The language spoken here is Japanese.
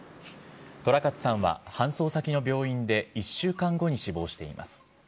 寅勝さんは搬送先の病院で１週間後に死亡しています。